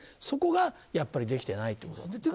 そこがやっぱりできてないと思います。